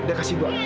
udah kasih dua